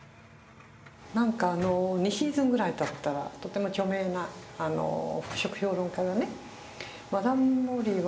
何か２シーズンぐらいたったらとても著名な服飾評論家がね